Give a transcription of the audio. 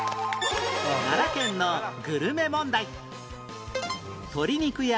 奈良県のグルメ問題